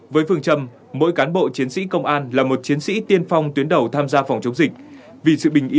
với phường trâm mỗi cán bộ chiến sĩ công an là một chiến sĩ tiên phong tuyến đầu tham gia phòng chống dịch